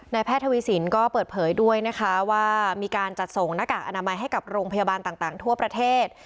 แพทย์ทวีสินก็เปิดเผยด้วยนะคะว่ามีการจัดส่งหน้ากากอนามัยให้กับโรงพยาบาลต่างทั่วประเทศ